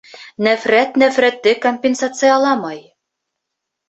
Нәфрәт нәфрәтте компенсацияламай.